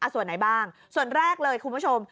ส่วนไหนบ้างส่วนแรกเลยคุณผู้ชม